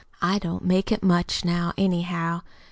I don't make it much now, anyhow.